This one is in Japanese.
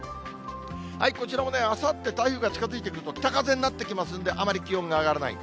こちらもあさって、台風が近づいてくると、北風になってきますんで、あまり気温が上がらない。